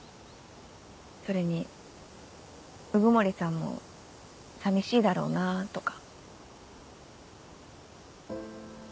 それに鵜久森さんも寂しいだろうなぁとか。